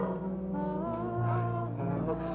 aku seorang jelajah